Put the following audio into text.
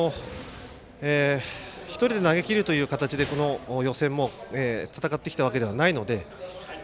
１人で投げ切る形で予選も戦ってきたわけではないので。